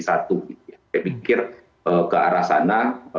saya pikir ke arah sana